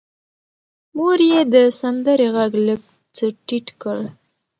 مور یې د سندرې غږ لږ څه ټیټ کړ.